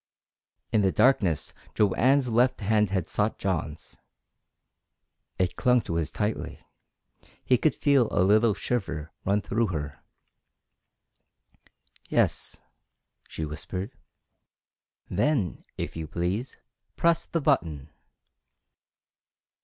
In the darkness Joanne's left hand had sought John's. It clung to his tightly. He could feel a little shiver run through her. "Yes," she whispered. "Then if you please press the button!"